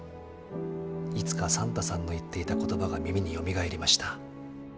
いつかサンタさんの言っていた言葉が耳によみがえりました。